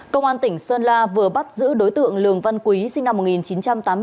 công an tỉnh sơn la vừa bắt giữ đối tượng lường văn quý sinh năm một nghìn chín trăm tám mươi bốn